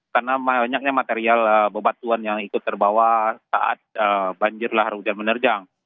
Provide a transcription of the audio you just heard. karena banyaknya material bebatuan yang ikut terbawa saat banjirlah rujan menerjang